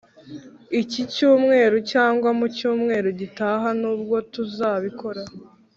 iki cyumweru cyangwa mu cyumweru gitaha nibwo tuzabikora